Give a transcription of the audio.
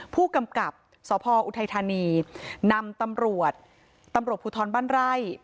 ผู้กำกับสพออุทัยธานีนำตำรวจตำรวจภูทรบ้านไร่